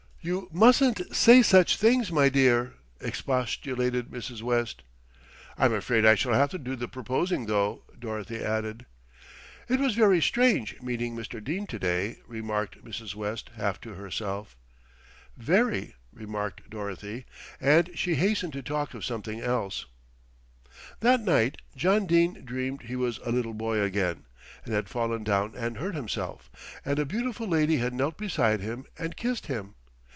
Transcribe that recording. "You mustn't say such things, my dear," expostulated Mrs. West. "I'm afraid I shall have to do the proposing though," Dorothy added. "It was very strange, meeting Mr. Dene to day," remarked Mrs. West half to herself. "Very," remarked Dorothy, and she hastened to talk of something else. That night John Dene dreamed he was a little boy again, and had fallen down and hurt himself, and a beautiful lady had knelt beside him and kissed him.